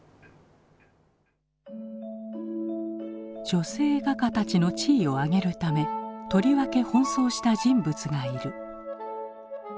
女性画家たちの地位を上げるためとりわけ奔走した人物がいる。